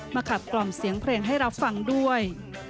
ขับกล่อมเสียงเพลงให้รับฟังด้วย